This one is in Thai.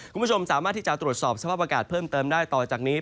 คุณผู้ชมสามารถที่จะตรวจสอบสภาพอากาศเพิ่มเติมได้ต่อจากนี้